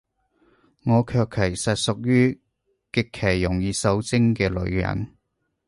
我卻其實屬於，極其容易受精嘅女人